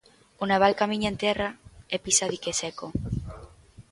O naval camiña en terra e pisa dique seco.